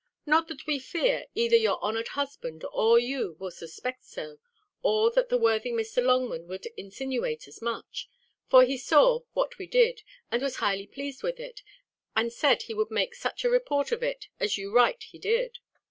Not that we fear either your honoured husband or you will suspect so, or that the worthy Mr. Longman would insinuate as much; for he saw what we did, and was highly pleased with it, and said he would make such a report of it as you write he did.